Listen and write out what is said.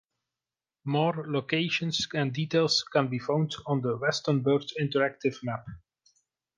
More locations and details can be found on the "Westonbirt Interactive Map".